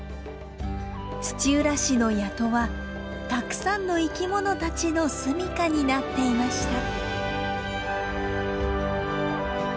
土浦市の谷戸はたくさんの生き物たちの住みかになっていました。